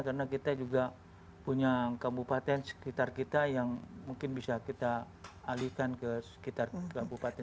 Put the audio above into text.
karena kita juga punya kabupaten sekitar kita yang mungkin bisa kita alihkan ke sekitar kabupaten kita